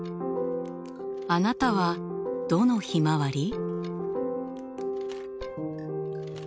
あなたはどのひまわり？